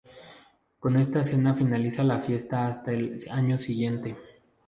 Con esta cena finaliza la fiesta hasta el año siguiente.